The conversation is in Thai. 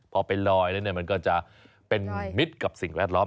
พอไปลอยแล้วเนี่ยมันก็จะเป็นมิตรกับสิ่งแวดล้อม